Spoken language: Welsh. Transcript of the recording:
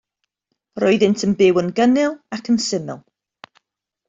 Roeddynt yn byw yn gynnil ac yn syml.